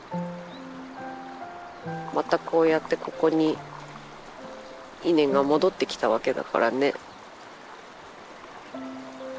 またこうやってここに稲が戻ってきたわけだからね。